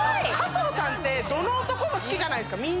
「加藤さんってどの男も好きじゃないですか。